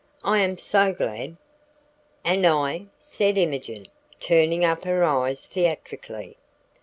I am so glad!" "And I!" said Imogen, turning up her eyes theatrically.